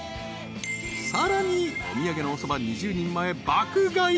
［さらにお土産のおそば２０人前爆買い］